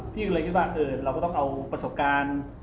พี่ก็เลยคิดว่าเราก็ต้องเอาประสบการณ์